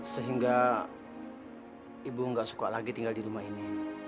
sehingga ibu nggak suka lagi tinggal di rumah ini